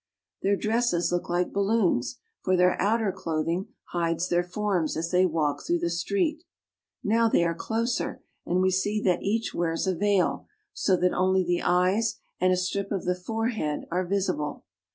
Their dresses look like balloons, for their outer clothing hides their forms as they walk through the street. Now they are closer, and we see that each wears a veil, so that only the eyes and a strip of the forehead are visible.